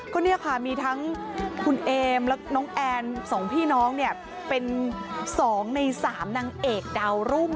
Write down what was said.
ก็เนี่ยค่ะมีทั้งคุณเอมและน้องแอน๒พี่น้องเนี่ยเป็น๒ใน๓นางเอกดาวรุ่ง